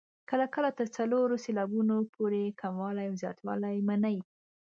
کله کله تر څلورو سېلابونو پورې کموالی او زیاتوالی مني.